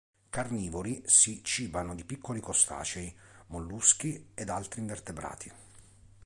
Carnivori, si cibano di piccoli crostacei, molluschi ed altri invertebrati.